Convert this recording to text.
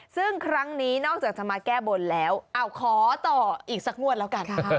ซึ่งครั้งนี้นอกจากจะมาแก้บนแล้วขอต่ออีกสักงวดแล้วกัน